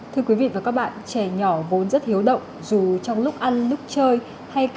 tiểu mục cư dân mạng hôm nay